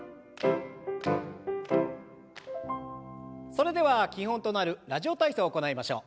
それでは基本となる「ラジオ体操」を行いましょう。